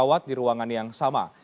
dia berada di ruangan yang sama